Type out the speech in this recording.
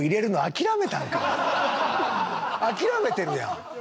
諦めてるやん。